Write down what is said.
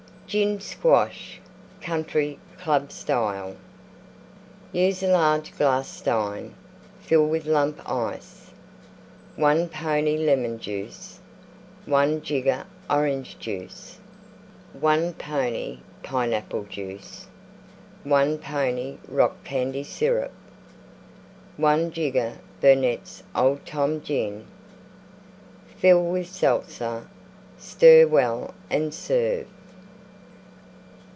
GIN SQUASH Country Club Style Use a large glass Stein; fill with Lump Ice. 1 pony Lemon Juice. 1 jigger Orange Juice. 1 pony Pineapple Juice. 1 pony Rock Candy Syrup. 1 jigger Burnette's Old Tom Gin. Fill with Seltzer: stir well and serve.